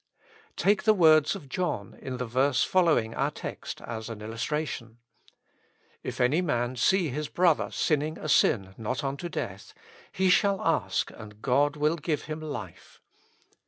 Take the words of John in the verse fol lowing our text as an illustration: "If any man see his brother sinning a sin not unto death, he shall ask and God will give him life.'"